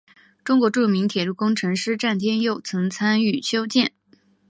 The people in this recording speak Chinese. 中国著名铁路工程师詹天佑曾参与修建。